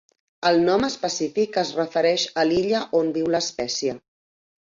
El nom específic es refereix a l'illa on viu l'espècie.